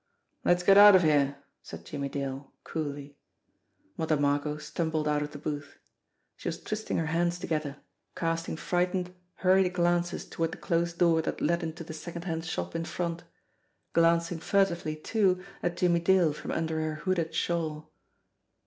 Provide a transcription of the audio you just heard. "Let's get out of here," said Jimmie Dale, coolly. Mother Margot stumbled out of the booth. She was twisting her hands together, casting frightened, hurried glances toward the closed door that led into the second hand shop in front, glancing furtively, too, at Jimmie Dale from under her hooded shawl.